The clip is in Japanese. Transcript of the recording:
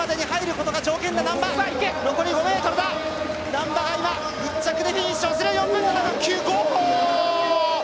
難波が１着でフィニッシュをする４分７秒９５！